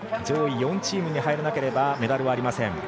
上位４チームに入らなければメダルはありません。